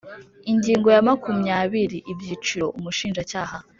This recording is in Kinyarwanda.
Ingingo ya makumyabiri Ibyiciro Umushinjacyaha